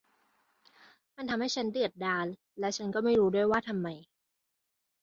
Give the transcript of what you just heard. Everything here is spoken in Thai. มันทำฉันเดือดดาลแล้วฉันก็ไม่รู้ด้วยว่าทำไม